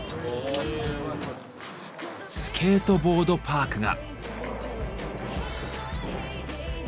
スケートボードパークが。